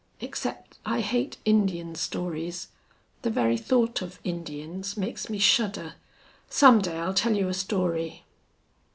Except I hate Indian stories. The very thought of Indians makes me shudder.... Some day I'll tell you a story."